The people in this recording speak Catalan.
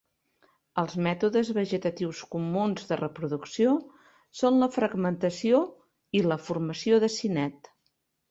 Els mètodes vegetatius comuns de reproducció són la fragmentació i la formació d'acinet.